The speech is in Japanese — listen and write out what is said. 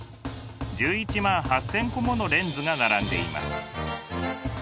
１１万８，０００個ものレンズが並んでいます。